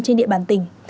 trên địa bàn tỉnh